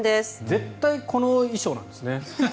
絶対この衣装なんですね。